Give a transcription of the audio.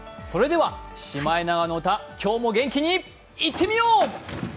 それではシマエナガの歌、今日も元気にいってみよう！